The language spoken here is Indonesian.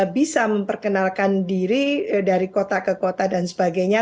bisa memperkenalkan diri dari kota ke kota dan sebagainya